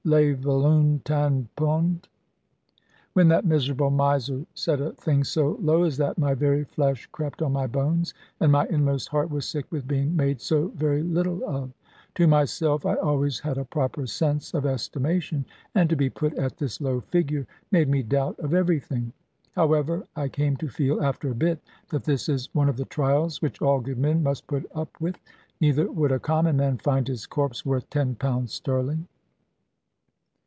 Lave aloun tan poond." When that miserable miser said a thing so low as that, my very flesh crept on my bones, and my inmost heart was sick with being made so very little of. To myself I always had a proper sense of estimation; and to be put at this low figure made me doubt of everything. However, I came to feel, after a bit, that this is one of the trials which all good men must put up with: neither would a common man find his corpse worth ten pounds sterling.